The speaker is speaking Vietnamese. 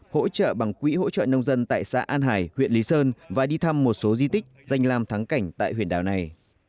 hỗ trợ bằng quỹ hỗ trợ nông dân tại xã an hải huyện lý sơn và đi thăm một số di tích danh làm thắng cảnh tại huyện đảo này